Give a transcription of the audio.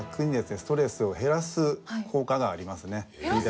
ストレスを減らす効果がありますね。